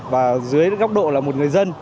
và dưới góc độ là một người dân